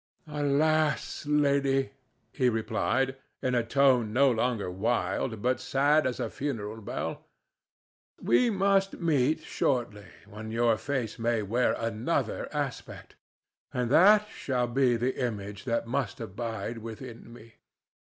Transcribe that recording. "Alas, lady!" he replied, in a tone no longer wild, but sad as a funeral bell; "we must meet shortly when your face may wear another aspect, and that shall be the image that must abide within me."